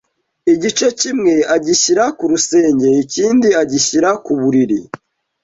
igice kimwe agishyira ku rusenge ikindi agishyira kuburiri